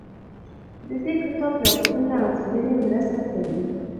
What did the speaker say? د دې کتاب راپورونه او څېړنې مرسته کوي.